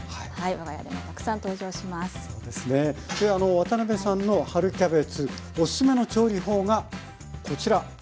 ワタナベさんの春キャベツおすすめの調理法がこちら。